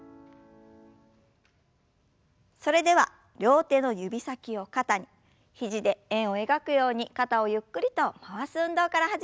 それでは両手の指先を肩に肘で円を描くように肩をゆっくりと回す運動から始めましょう。